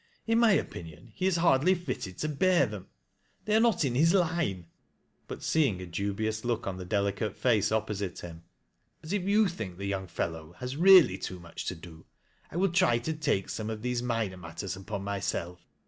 In ray opinion ho is hardly fitted to bear them — they are not in his line ;" bat seeing a dubious look on the delicate face opposite him —" but if you think the young fellow has really too much to do, I will try to take some of these minor matters upon myself.